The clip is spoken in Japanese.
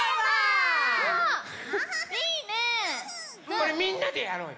これみんなでやろうよ。